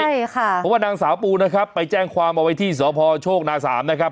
ใช่ค่ะเพราะว่านางสาวปูนะครับไปแจ้งความเอาไว้ที่สพโชคนาสามนะครับ